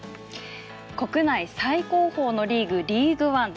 国内最高峰のリーグリーグワンです。